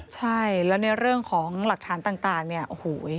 ใช่แล้วในเรื่องของหลักฐานต่างเนี่ยโอ้โห